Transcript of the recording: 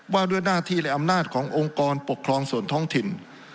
ว่าด้วยหน้าที่และอำนาจขององค์กรปกครองส่วนท้องถิ่น